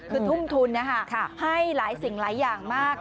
คือทุ่มทุนนะคะให้หลายสิ่งหลายอย่างมาก